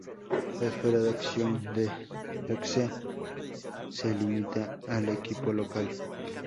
La esfera de acción de Sc.exe se limita al equipo local.